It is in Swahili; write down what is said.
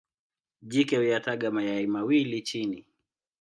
Jike huyataga mayai mawili chini.